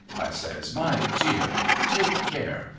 ' I says ' My dear ! Take care.